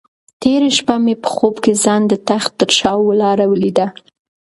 تېره شپه مې په خوب کې ځان د تخت تر شا ولاړه ولیده.